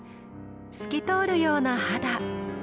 透き通るような肌。